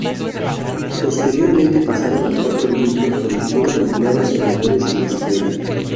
Posteriormente pasaron a Cuatro Vientos donde fueron empleados en labores de escuela.